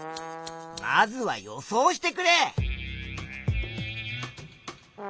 まずは予想してくれ。